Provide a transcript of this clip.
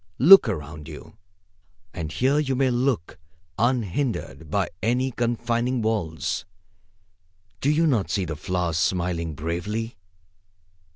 Look around you, as here you may look, unhindered by any confining walls. Do you not see the flowers smiling bravely?